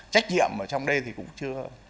trách nhiệm ở trong đây thì cũng chưa